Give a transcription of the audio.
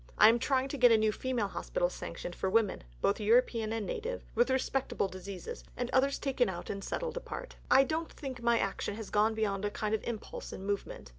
I am trying to get a new female hospital sanctioned for women, both European and native, with respectable diseases, and the others taken out and settled apart. I don't think my action has gone beyond a kind of impulse and movement.